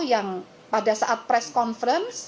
yang pada saat press conference